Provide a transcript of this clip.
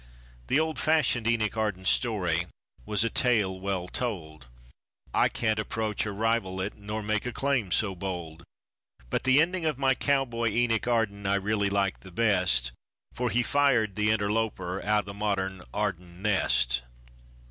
_ The old fashioned Enoch Arden story was a tale well told; I can't approach or rival it, nor make a claim so bold. But the ending of my cowboy Enoch Arden I really like the best, For he fired the interloper out the modern Arden nest.